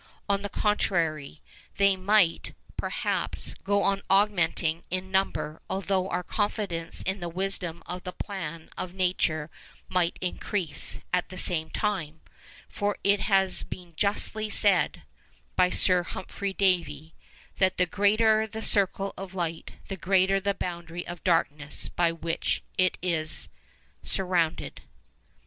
On the contrary, they might, perhaps, go on augmenting in number although our confidence in the wisdom of the plan of nature might increase at the same time; for it has been justly said' (by Sir Humphry Davy) 'that the greater the circle of light, the greater the boundary of darkness by which it is surrounded.